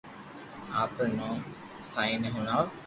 آپري نوم سائين ني ھڻاو